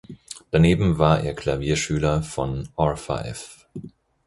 Daneben war er Klavierschüler von Orpha-F.